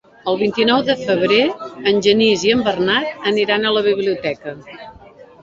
El vint-i-nou de febrer en Genís i en Bernat aniran a la biblioteca.